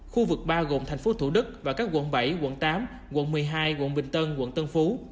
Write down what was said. khu vực ba gồm thành phố thủ đức và các quận bảy quận tám quận một mươi hai quận bình tân quận tân phú